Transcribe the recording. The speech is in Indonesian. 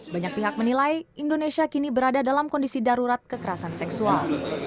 banyak pihak menilai indonesia kini berada dalam kondisi darurat kekerasan seksual